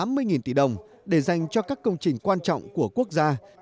hơn tám mươi tỷ đồng để dành cho các công trình quan trọng của quốc gia